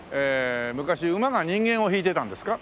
昔馬が人間を引いてたんですか？